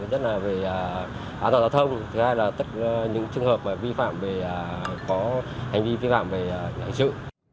nhất là về an toàn giao thông thứ hai là tất cả những trường hợp vi phạm có hành vi vi phạm về giải trự